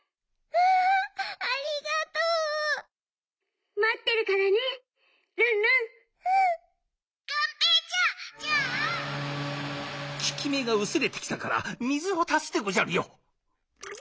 ききめがうすれてきたからみずをたすでごじゃるよ！